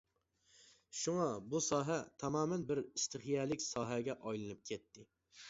شۇڭا بۇ ساھە تامامەن بىر ئىستىخىيەلىك ساھەگە ئايلىنىپ كەتتى.